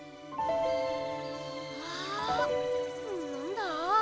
あなんだ？